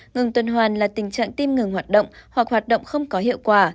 ngừng tuần hoàn là tình trạng tim ngừng hoạt động hoặc hoạt động không có hiệu quả